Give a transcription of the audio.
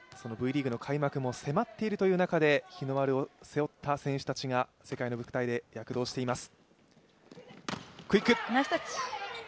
Ｖリーグの開幕も迫っているという中で日の丸を背負った選手たちが世界の舞台で躍動しています。